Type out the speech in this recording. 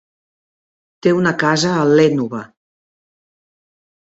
Té una casa a l'Énova.